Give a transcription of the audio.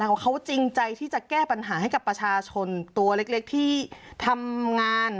ของเขาจริงใจที่จะแก้ปัญหาให้กับประชาชนตัวเล็กที่ทำงาน